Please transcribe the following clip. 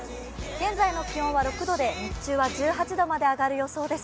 現在の気温は６度で日中は１８度まで上がる予想です。